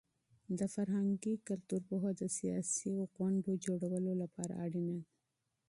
د فرهنګي تفاوت پوهه د سیاسي پروګرامونو جوړولو لپاره ضروري ده.